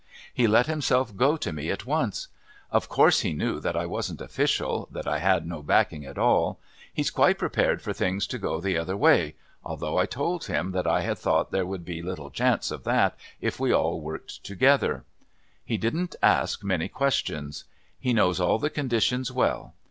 He let himself go to me at once. Of course he knew that I wasn't official, that I had no backing at all. He's quite prepared for things to go the other way, although I told him that I thought there would be little chance of that if we all worked together. He didn't ask many questions. He knows all the conditions well.